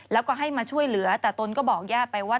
แล้วก็ให้มาช่วยเหลือแต่ตนก็บอกญาติไปว่า